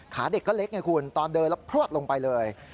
เด็กก็เล็กไงคุณตอนเดินแล้วพลวดลงไปเลย